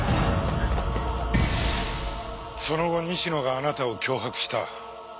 その後西野があなたを脅迫した。